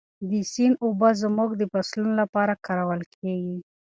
د سیند اوبه زموږ د فصلونو لپاره کارول کېږي.